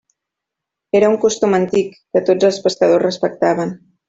Era un costum antic, que tots els pescadors respectaven.